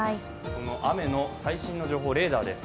この雨の最新の情報、レーダーです。